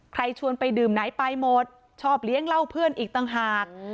ชวนไปดื่มไหนไปหมดชอบเลี้ยงเหล้าเพื่อนอีกต่างหาก